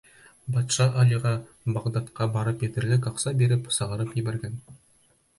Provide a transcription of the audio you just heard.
Батша Алиға Бағдадҡа барып етерлек аҡса биреп, сығарып ебәргән.